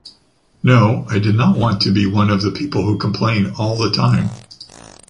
No, I did not want to be one of the people who complain all the time.